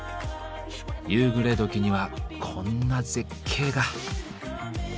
夕暮れ時にはこんな絶景が。